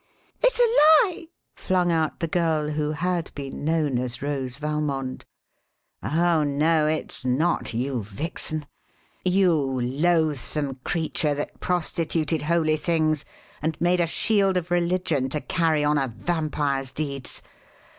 "It's a lie!" flung out the girl who had been known as Rose Valmond. "Oh, no, it's not, you vixen! You loathsome creature that prostituted holy things and made a shield of religion to carry on a vampire's deeds.